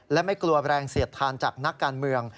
และไม่กลัวแรงเสียดทานจากนักการเมือง